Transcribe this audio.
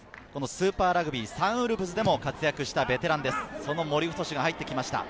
スーパーラグビー、サンウルブズでも活躍したベテランです。